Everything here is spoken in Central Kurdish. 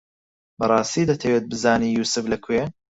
بەڕاستی دەتەوێت بزانیت یووسف لەکوێیە؟